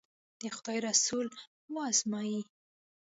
د خدای رسول و ازمایي.